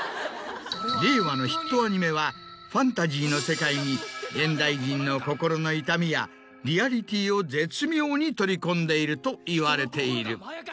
令和のヒットアニメはファンタジーの世界に現代人の心の痛みやリアリティーを絶妙に取り込んでいるといわれている。